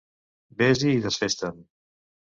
Ves-hi i desfés-te'n.